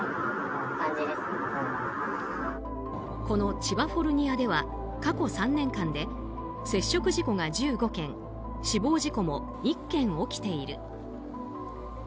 この千葉フォルニアでは過去３年間で接触事故が１５件死亡事故も１件起きている。